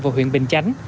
và huyện bình chánh